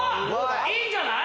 いいんじゃない？